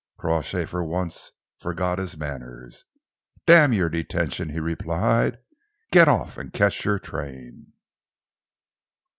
Crawshay for once forgot his manners. "Damn your detention!" he replied. "Get off and catch your train."